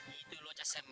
maksudnya ps itu adalah